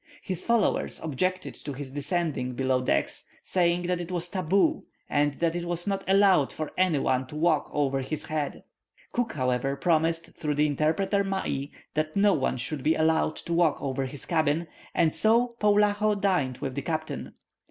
His followers objected to his descending below decks, saying it was "tabu" and that it was not allowed for any one to walk over his head. Cook, however, promised through the interpreter Mai that no one should be allowed to walk over his cabin, and so Poulaho dined with the captain.